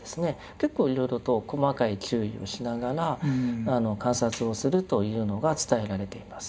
結構いろいろと細かい注意をしながら観察をするというのが伝えられています。